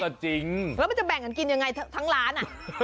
ก็จริงแล้วมันจะแบ่งกันกินทั้งร้าน